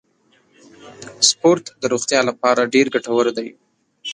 سپورت د روغتیا لپاره ډیر ګټور دی.